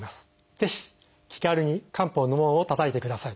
ぜひ気軽に漢方の門をたたいてください。